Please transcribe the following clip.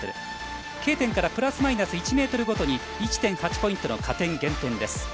Ｋ点からプラスマイナス１ｍごとに１．８ポイントの加点、減点です。